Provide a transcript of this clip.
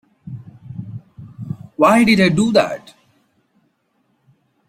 Why did I do that?